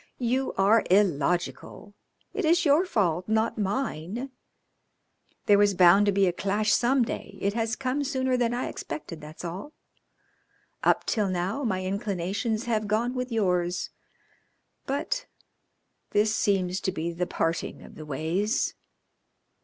You are illogical. It is your fault, not mine. There was bound to be a clash some day. It has come sooner than I expected, that's all. Up till now my inclinations have gone with yours, but this seems to be the parting of the ways.